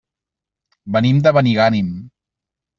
Venim de Benigànim.